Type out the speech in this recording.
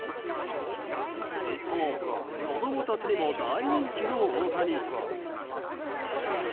一方、子供たちにも大人気の大谷。